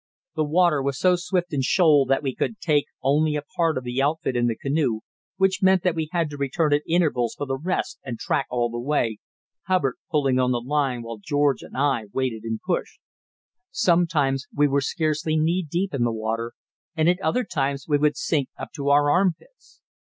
The water was so swift and shoal that we could take only a part of the outfit in the canoe, which meant that we had to return at intervals for the rest and track all the way, Hubbard pulling on the line while George and I waded and pushed. Sometimes we were scarcely knee deep in the water, and at other times we would sink up to our armpits.